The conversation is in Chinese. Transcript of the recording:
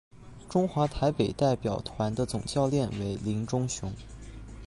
中华台北代表团的总教练为林忠雄。